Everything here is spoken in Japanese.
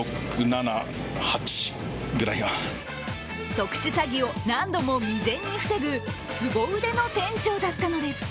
特殊詐欺を何度も未然に防ぐすご腕の店長だったのです。